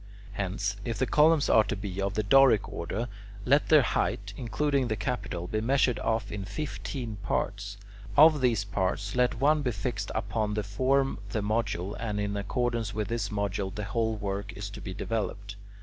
Hence, if the columns are to be of the Doric order, let their height, including the capital, be measured off into fifteen parts. Of these parts, let one be fixed upon to form the module, and in accordance with this module the whole work is to be developed.